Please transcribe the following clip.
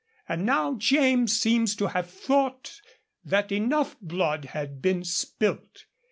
And now James seems to have thought that enough blood had been spilt.